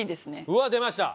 うわっ出ました！